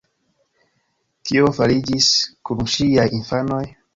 Kio fariĝis kun ŝiaj infanoj?